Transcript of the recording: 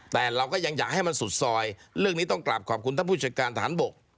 แต่เราก็ยังอยากให้มันสุดซอยเรื่องนี้ต้องกลับขอบคุณท่านผู้จัดการฐานบก